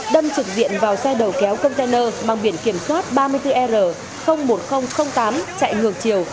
đâm trực diện vào xe đầu kéo container mang biển kiểm soát ba mươi bốn r một nghìn tám chạy ngược chiều